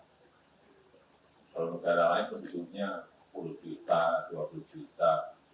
kalau negara lain penduduknya sepuluh juta dua puluh juta